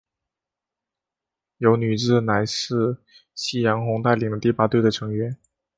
油女志乃是夕日红带领的第八队的成员。